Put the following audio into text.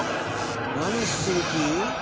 「何する気？」